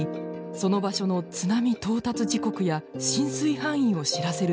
その場所の津波到達時刻や浸水範囲を知らせる仕組みです。